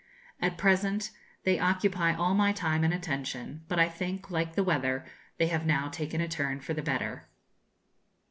At present they occupy all my time and attention, but I think, like the weather, they have now taken a turn for the better.